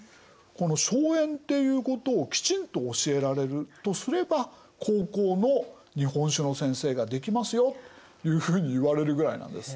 この荘園っていうことをきちんと教えられるとすれば高校の日本史の先生ができますよというふうにいわれるぐらいなんです。